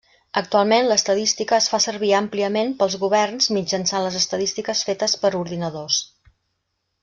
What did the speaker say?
Actualment l'estadística es fa servir àmpliament pels governs mitjançant les estadístiques fetes per ordinadors.